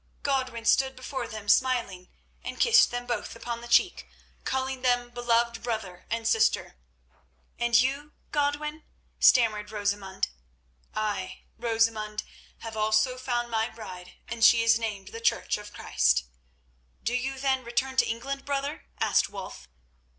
Godwin stood before them smiling, and kissed them both upon the cheek, calling them "Beloved brother and sister." "And you, Godwin?" stammered Rosamund. "I, Rosamund, have also found my bride, and she is named the Church of Christ." "Do you, then, return to England, brother?" asked Wulf.